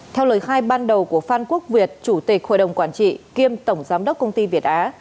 theo lời khai ban đầu của phan quốc việt chủ tịch hội đồng quản trị kiêm tổng giám đốc công ty việt á